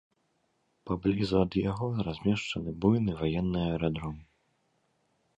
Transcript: Паблізу ад яго размешчаны буйны ваенны аэрадром.